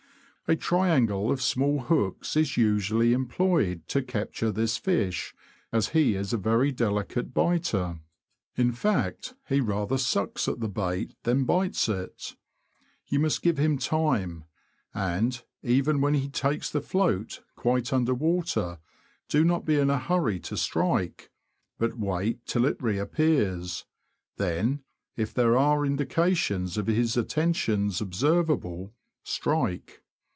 A triangle of small hooks is usually employed to capture this fish, as he is a very delicate biter; in fact, he rather sucks at the bait than bites at it. You must give him time; and, even when he takes the float quite under water, do not be in a hurry to strike, but wait till it re appears : then, if there are indications of his attentions observable, strike.